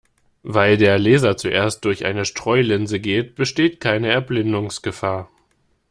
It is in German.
Weil der Laser zuerst durch eine Streulinse geht, besteht keine Erblindungsgefahr.